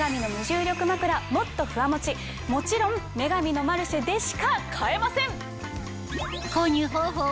もちろん『女神のマルシェ』でしか買えません！